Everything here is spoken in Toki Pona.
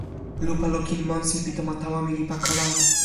lupa lukin monsi pi tomo tawa mi li pakala.